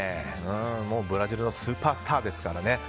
ブラジルのスーパースターですからね。